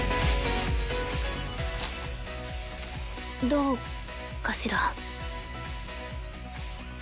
どうかしら？